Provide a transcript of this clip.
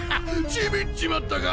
ちびっちまったか？